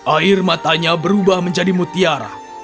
air matanya berubah menjadi mutiara